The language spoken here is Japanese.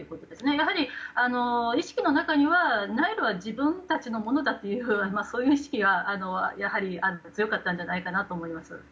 やはり、意識の中にはナイルは自分たちのものだとそういう意識がやはり強かったんじゃないかなと思います。